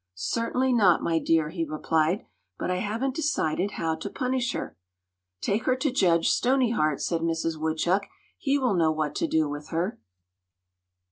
"Certainly not, my dear," he replied; "but I haven't decided how to punish her." "Take her to Judge Stoneyheart," said Mrs. Woodchuck. "He will know what to do with her."